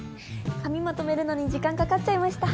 髪まとめるのに時間かかっちゃいました。